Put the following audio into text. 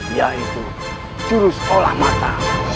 yaitu jurus olah mata